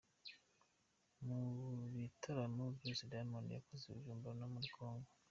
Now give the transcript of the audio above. Mu bitaramo byose Diamond yakoze i Bujumbura no muri Congo.